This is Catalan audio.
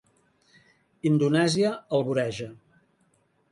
Indonèsia el voreja.